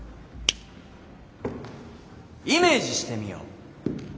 イメージしてみよう。